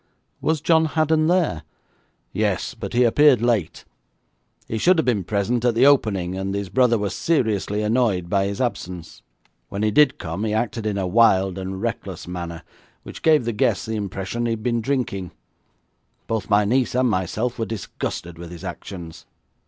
'Was John Haddon there?' 'Yes; but he appeared late. He should have been present at the opening, and his brother was seriously annoyed by his absence. When he did come he acted in a wild and reckless manner, which gave the guests the impression that he had been drinking. Both my niece and myself were disgusted with his actions.'